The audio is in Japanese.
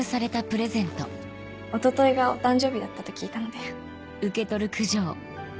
一昨日がお誕生日だったと聞いたので。